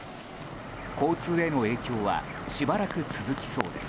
交通への影響はしばらく続きそうです。